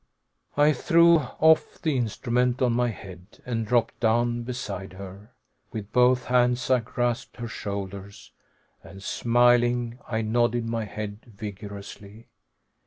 I threw off the instrument on my head, and dropped down beside her. With both hands I grasped her shoulders, and, smiling, I nodded my head vigorously.